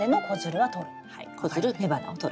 子づる雌花をとる。